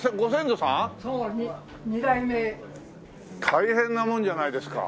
大変なもんじゃないですか。